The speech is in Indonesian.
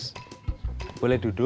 permisi bos boleh duduk